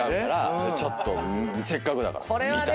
ちょっとせっかくだから見た。